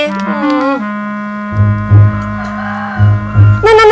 ini di ekorannya